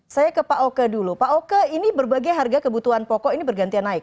saya ke pak oke dulu pak oke ini berbagai harga kebutuhan pokok ini bergantian naik